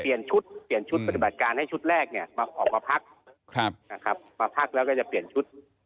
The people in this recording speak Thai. ชุดเปลี่ยนชุดปฏิบัติการให้ชุดแรกเนี่ยมาออกมาพักนะครับมาพักแล้วก็จะเปลี่ยนชุด